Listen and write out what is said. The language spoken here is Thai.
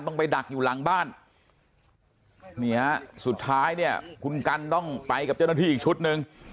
ไปดักอยู่หลังบ้านนี่ฮะสุดท้ายเนี่ยคุณกันต้องไปกับเจ้าหน้าที่อีกชุดหนึ่ง